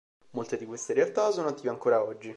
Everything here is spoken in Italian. Molte di queste realtà sono attive ancora oggi.